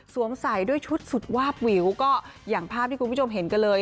ใส่ด้วยชุดสุดวาบวิวก็อย่างภาพที่คุณผู้ชมเห็นกันเลย